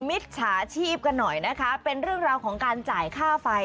มิจฉาชีพกันหน่อยนะคะเป็นเรื่องราวของการจ่ายค่าไฟ